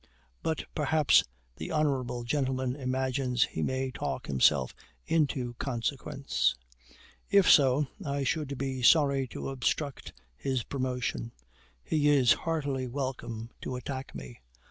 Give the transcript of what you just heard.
But, perhaps, the honorable gentleman imagines he may talk himself into consequence; if so, I should be sorry to obstruct his promotion; he is heartily welcome to attack me.